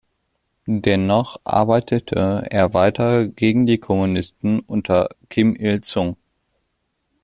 Dennoch arbeitete er weiter gegen die Kommunisten unter Kim Il-sung.